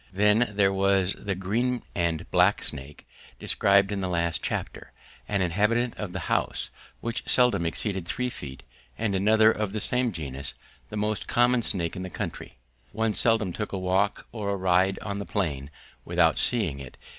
Then, there was the green and black snake described in the last chapter, an inhabitant of the house, which seldom exceeded three feet; and another of the same genus, the most common snake in the country. One seldom took a walk or ride on the plain without seeing it.